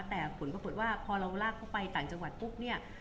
แต่ผลก็เป็นว่าพอเราลากเข้าไปต่างจังหวัด